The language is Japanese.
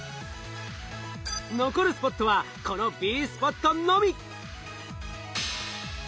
残るスポットはこのＢスポットのみ。